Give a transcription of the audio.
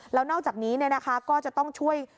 แล้วนอกจากนี้เนี่ยนะคะก็จะต้องช่วย